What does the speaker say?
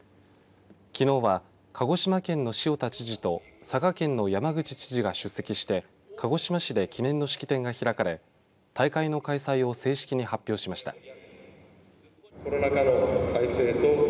きのうは鹿児島県の塩田知事と佐賀県の山口知事が出席して鹿児島市で記念の式典が開かれ大会の開催を正式に発表しました。